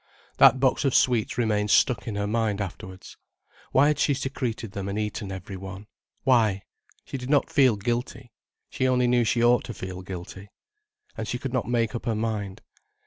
That box of sweets remained stuck in her mind afterwards. Why had she secreted them and eaten them every one? Why? She did not feel guilty—she only knew she ought to feel guilty. And she could not make up her mind.